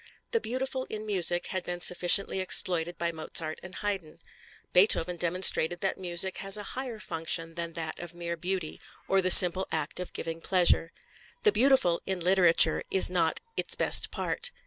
The beautiful in music had been sufficiently exploited by Mozart and Haydn. Beethoven demonstrated that music has a higher function than that of mere beauty, or the simple act of giving pleasure. The beautiful in literature is not its best part.